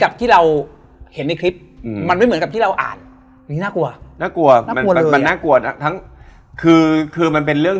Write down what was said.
เป็นที่ไปเจอกับเพื่อน